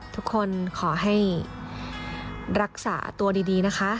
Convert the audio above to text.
ทุกคนขอให้รักษาตัวดีนะคะ